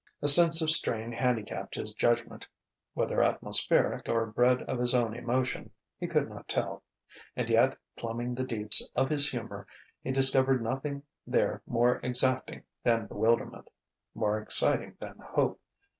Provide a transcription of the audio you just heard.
A sense of strain handicapped his judgment; whether atmospheric or bred of his own emotion, he could not tell. And yet, plumbing the deeps of his humour, he discovered nothing there more exacting than bewilderment, more exciting than hope.